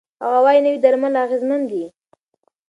هغه وايي، نوي درمل اغېزمن دي.